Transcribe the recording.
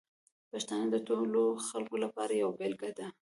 پښتانه د ټولو خلکو لپاره یوه بېلګه دي.